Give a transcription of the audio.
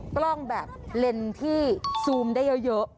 กล้องแบบเลนส์ที่ซูมได้เยอะ